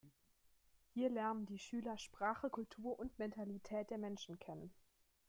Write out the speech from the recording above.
Hier lernen die Schüler Sprache, Kultur und Mentalität der Menschen kennen.